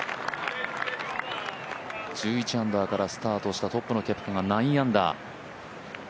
１１アンダーからスタートしたトップのケプカが９アンダー。